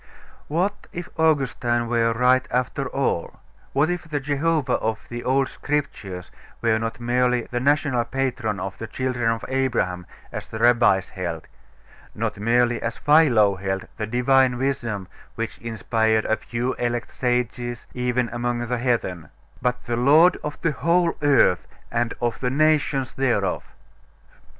What if Augustine were right after all? What if the Jehovah of the old Scriptures were not merely the national patron of the children of Abraham, as the Rabbis held; not merely, as Philo held, the Divine Wisdom which inspired a few elect sages, even among the heathen; but the Lord of the whole earth, and of the nations thereof?